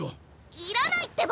いらないってば！